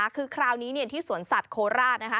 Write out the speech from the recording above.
คือคราวนี้ที่สวนสัตว์โคราช